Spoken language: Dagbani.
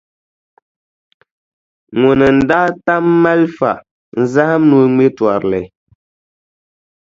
Ŋuni n-daa tam malifa n-zahim ni o ŋme tɔrili?